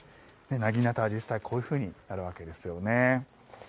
なぎなた、実際にはこういうふうになるわけですよね。